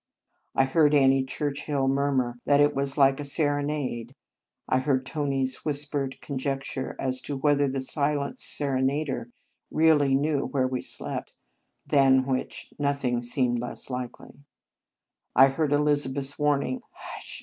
I heard Annie Churchill murmur that it was like a serenade; I heard Tony s whispered conjecture as to whether the silent serenader really knew where we slept; than which nothing seemed less likely; I heard Elizabeth s warning " Hush